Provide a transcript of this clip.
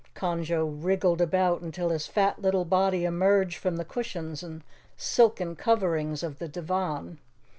Conjo wriggled about until his fat little body emerged from the cushions and silken coverings of the divan.